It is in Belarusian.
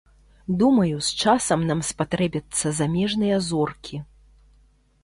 Думаю, з часам нам спатрэбяцца замежныя зоркі.